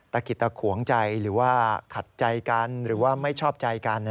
กิจตะขวงใจหรือว่าขัดใจกันหรือว่าไม่ชอบใจกัน